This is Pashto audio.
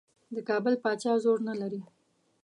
د کابل پاچا زور نه لري.